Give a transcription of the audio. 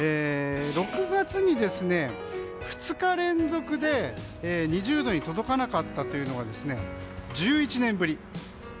６月に２日連続で２０度に届かなかったのは１１年ぶり。